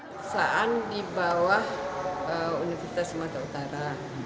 perusahaan di bawah universitas sumatera utara